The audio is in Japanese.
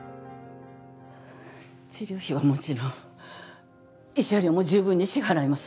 治療費はもちろん慰謝料も十分に支払います。